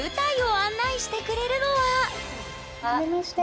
はじめまして。